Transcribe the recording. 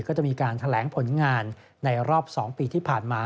ก็จะมีการแถลงผลงานในรอบ๒ปีที่ผ่านมา